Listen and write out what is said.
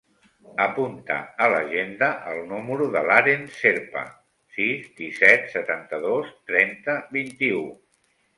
Apunta a l'agenda el número de l'Aren Cerpa: sis, disset, setanta-dos, trenta, vint-i-u.